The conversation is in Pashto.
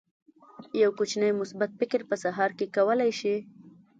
یو کوچنی مثبت فکر په سهار کې کولی شي.